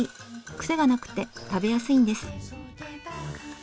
クセがなくて食べやすいんです。